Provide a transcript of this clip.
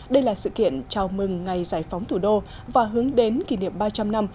đây là sự kiện chào mừng ngày giải phóng thủ đô và hướng đến kỷ niệm ba trăm linh năm